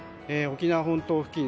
沖縄本島付近